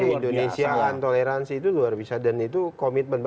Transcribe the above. ke indonesia an toleransi itu luar biasa dan itu komitmen